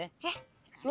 eh gak usah